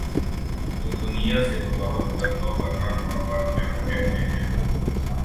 تو دنیا سے بغاوت کر دوورنہ ماں باپ جہاں کہتے ہیں۔